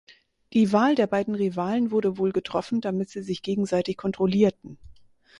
Die Wahl der beiden Rivalen wurde wohl getroffen, damit sie sich gegenseitig kontrollierten.